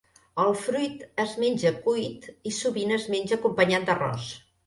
El fruit es menja cuit i sovint es menja acompanyat d'arròs.